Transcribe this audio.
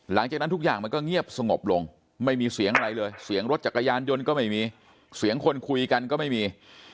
หลังจากนั้นทุกอย่างมันก็เงียบสงบลงไม่มีเสียงอะไรเลยเสียงรถจักรยานยนต์ก็ไม่มีเสียงคนคุยกันก็ไม่มี